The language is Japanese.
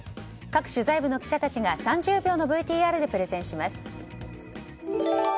各取材部の記者たちが３０秒のＶＴＲでプレゼンします。